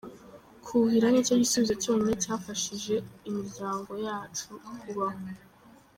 Kuhira ni cyo gisubizo cyonyine cyafashije imiryango yacu kubaho.